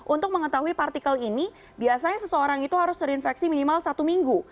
untuk mengetahui partikel ini biasanya seseorang itu harus terinfeksi minimal satu minggu